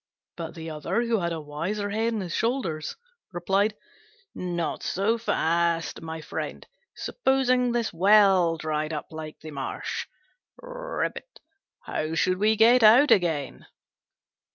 But the other, who had a wiser head on his shoulders, replied, "Not so fast, my friend: supposing this well dried up like the marsh, how should we get out again?"